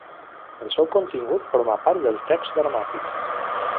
El seu contingut forma part del text dramàtic.